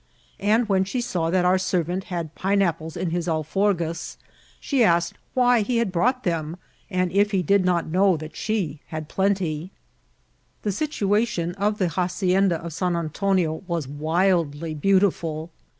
and when she saw that our servant had pineapples in his alforgas, she asked why he brought them, and if he did not know that she had plenty. The situation of the hacienda of San Antonio was wildly beautiful.